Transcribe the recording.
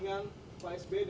masa jambatan dua periode